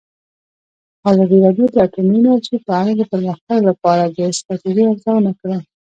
ازادي راډیو د اټومي انرژي په اړه د پرمختګ لپاره د ستراتیژۍ ارزونه کړې.